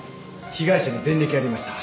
被害者に前歴ありました。